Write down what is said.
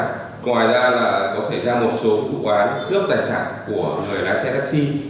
ngoài ra là có xảy ra một số vụ án cướp tài sản của người lái xe taxi